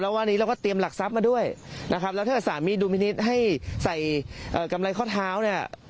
วันนี้เราก็เตรียมหลักทรัพย์มาด้วยนะครับแล้วถ้าสารมีดุลพินิษฐ์ให้ใส่กำไรข้อเท้าเนี่ย